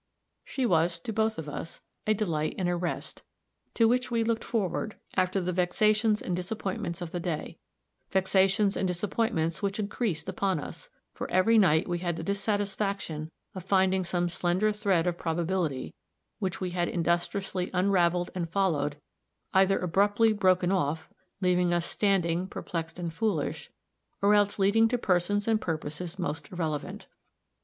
She was, to both of us, a delight and a rest, to which we looked forward after the vexations and disappointments of the day vexations and disappointments which increased upon us; for every night we had the dissatisfaction of finding some slender thread of probability, which we had industriously unraveled and followed, either abruptly broken off, leaving us standing, perplexed and foolish, or else leading to persons and purposes most irrelevant.